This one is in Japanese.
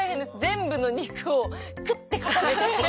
全部の肉をクッて固めて。